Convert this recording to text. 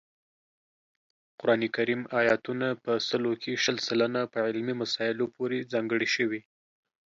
قران کریم آیاتونه په سلو کې شل سلنه په علمي مسایلو پورې ځانګړي شوي